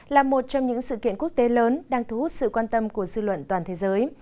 là một trong những sự kiện quốc tế lớn đang thu hút sự quan tâm của dư luận toàn thế giới